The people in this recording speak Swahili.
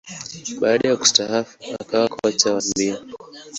Baada ya kustaafu, akawa kocha wa mbio.